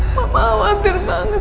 mama khawatir banget